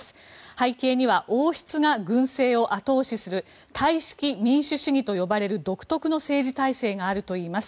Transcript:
背景には王室が軍政を後押しするタイ式民主主義と呼ばれる独特の政治体制があるといいます。